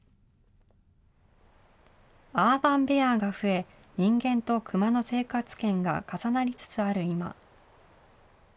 アーバンベアが増え、人間とクマの生活圏が重なりつつある今。